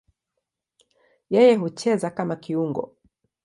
Yeye hucheza kama kiungo.